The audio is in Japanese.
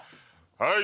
はい。